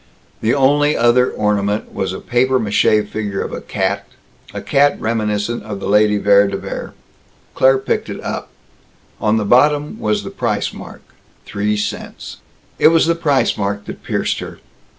The only other ornament was a papier mâché figure of a cat, a cat reminiscent of the Lady Vere de Vere. Claire picked it up. On the bottom was the price mark three cents. It was the price mark that pierced her.